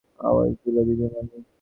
আওয়াজ এল, দিদিমণি।